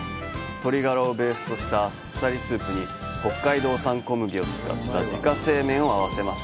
鶏ガラをベースとしたあっさりスープに北海道産小麦を使った自家製麺を合わせます。